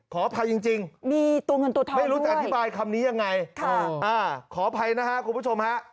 ขออภัยจริงไม่รู้จะอธิบายคำนี้ยังไงอ่าขออภัยนะคะคุณผู้ชมฮะ